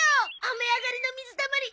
雨上がりの水たまり